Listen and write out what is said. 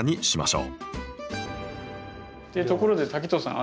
ところで滝藤さん